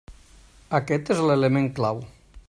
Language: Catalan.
Aquest és l'element clau.